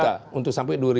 hampir tujuh juta